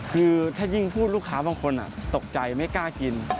คือถ้ายิ่งพูดลูกค้าบางคนตกใจไม่กล้ากิน